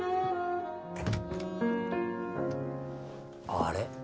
あれ？